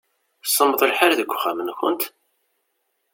Semmeḍ lḥal deg uxxam-nkent?